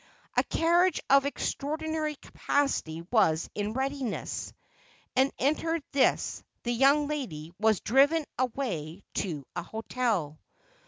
A carriage of extraordinary capacity was in readiness, and entering this, the young lady was driven away to a hotel.